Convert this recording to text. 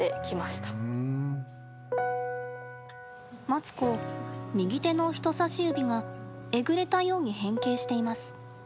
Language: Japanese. マツコ、右手の人差し指がえぐれたように変形しています。